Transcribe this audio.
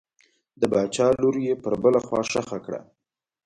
د باچا لور یې پر بله خوا ښخه کړه.